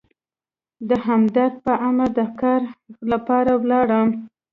د همدرد په امر د کار لپاره ولاړم.